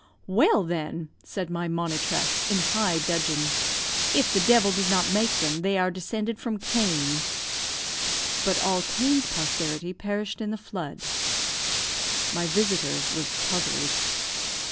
"Well, then," said my monitress, in high dudgeon, "if the devil did not make them, they are descended from Cain." "But all Cain's posterity perished in the flood." My visitor was puzzled.